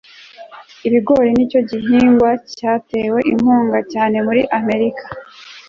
ibigori nicyo gihingwa cyatewe inkunga cyane muri amerika